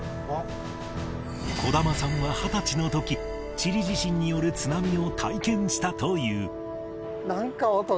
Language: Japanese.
児玉さんは二十歳の時チリ地震による津波を体験したという